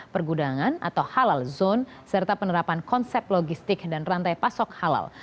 pergudangan atau halal zone serta penerapan konsep logistik dan rantai pasok halal